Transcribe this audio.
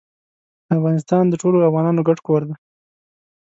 افغانستان د ټولو افغانانو ګډ کور دی.